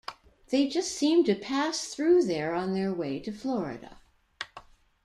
They just seem to pass through there on their way to Florida.